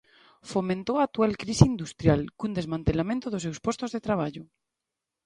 Fomentou a actual crise industrial, cun desmantelamento dos seus postos de traballo.